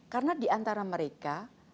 karena di antara mereka